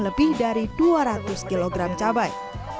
lebih dari dua ratus kg cabai